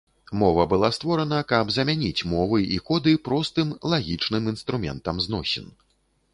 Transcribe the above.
Мова была створана каб замяніць мовы і коды простым, лагічным інструментам зносін.